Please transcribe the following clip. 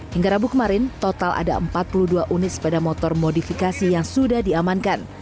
hingga rabu kemarin total ada empat puluh dua unit sepeda motor modifikasi yang sudah diamankan